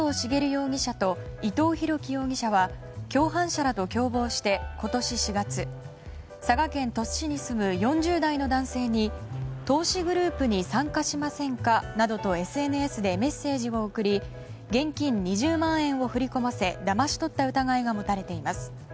容疑者と伊藤宏樹容疑者は共犯者らと共謀して今年４月佐賀県鳥栖市に住む４０代の男性に投資グループに参加しませんかなどとＳＮＳでメッセージを送り現金２０万円を振り込ませだまし取った疑いが持たれています。